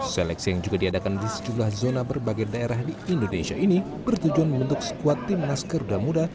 seleksi yang juga diadakan di sejumlah zona berbagai daerah di indonesia ini bertujuan membentuk skuad timnas garuda muda